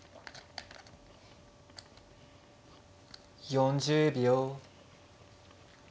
４０秒。